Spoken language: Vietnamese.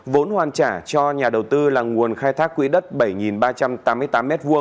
vốn hoàn trả cho nhà đầu tư là nguồn khai thác quỹ đất bảy ba trăm tám mươi tám m hai